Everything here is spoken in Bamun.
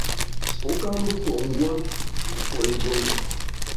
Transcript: Wu ka mbe kùot nguon wu kùot njuop i.